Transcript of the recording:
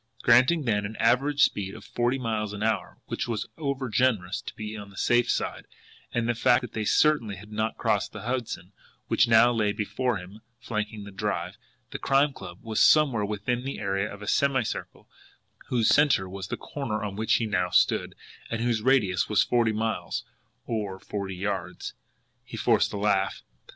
Granting, then, an average speed of forty miles an hour, which was overgenerous to be on the safe side, and the fact that they certainly had not crossed the Hudson, which now lay before him, flanking the Drive, the Crime Club was somewhere within the area of a semicircle, whose centre was the corner on which he now stood, and whose radius was forty miles OR FORTY YARDS! He forced a laugh.